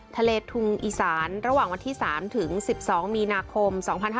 ทะเลถุงอีศานระหว่างวันที่สามถึง๑๒มีนาคม๒๕๖๖